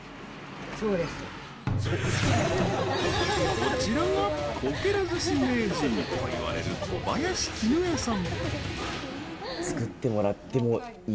こちらが、こけら寿司名人といわれる、小林キヌエさん。